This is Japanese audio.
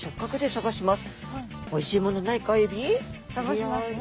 探しますね。